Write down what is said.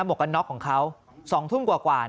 หมวกน็อคของเขา๒ทุ่มกว่ากว่า